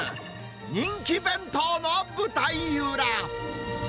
人気弁当の舞台裏。